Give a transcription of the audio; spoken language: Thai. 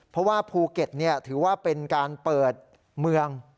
เพราะว่าภูเก็ตถือว่าเป็นการเปิดเมือง